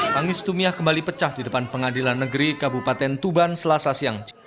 tangis tumiah kembali pecah di depan pengadilan negeri kabupaten tuban selasa siang